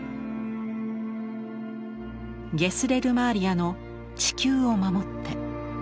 ゲスレル・マーリアの「地球を守って」。